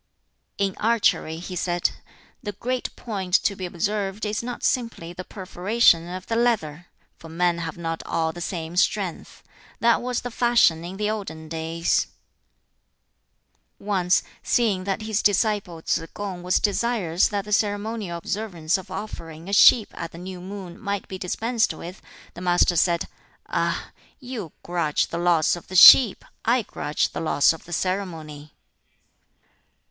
"In archery," he said, "the great point to be observed is not simply the perforation of the leather; for men have not all the same strength. That was the fashion in the olden days." Once, seeing that his disciple Tsz kung was desirous that the ceremonial observance of offering a sheep at the new moon might be dispensed with, the Master said, "Ah! you grudge the loss of the sheep; I grudge the loss of the ceremony."